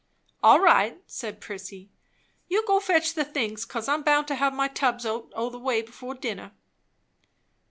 "All right," said Prissy. "You go fetch the things, 'cause I'm bound to have my tubs out o' the way before dinner."